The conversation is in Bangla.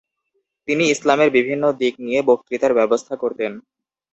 তিনি ইসলামের বিভিন্ন দিক নিয়ে বক্তৃতার ব্যবস্থা করতেন।